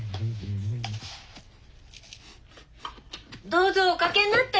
どうぞおかけになって。